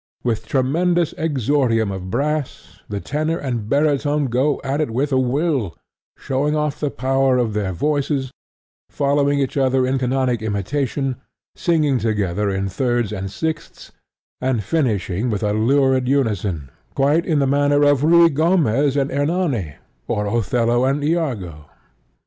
With tremendous exordium of brass, the tenor and baritone go at it with a will, showing off the power of their voices, following each other in canonic imitation, singing together in thirds and sixths, and finishing with a lurid unison, quite in the manner of Ruy Gomez and Ernani, or Othello and Iago.